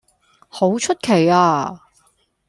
好出奇呀